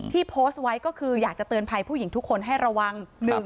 โพสต์ไว้ก็คืออยากจะเตือนภัยผู้หญิงทุกคนให้ระวัง